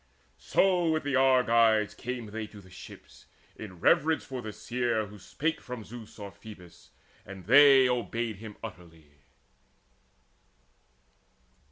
So with the Argives came they to the ships In reverence for the seer who spake from Zeus Or Phoebus, and they obeyed him utterly.